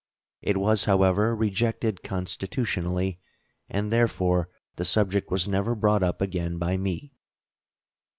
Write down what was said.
It was, however, rejected constitutionally, and therefore the subject was never brought up again by me.